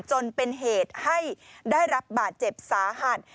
จนเป็นเหตุให้ได้รับบาดเจ็บสาหัส